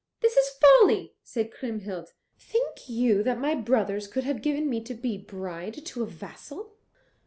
"This is folly," said Kriemhild; "think you that my brothers could have given me to be bride to a vassal?